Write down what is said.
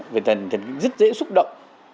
về thần kinh rất dễ xúc động